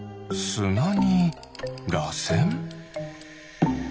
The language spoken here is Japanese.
すなにらせん？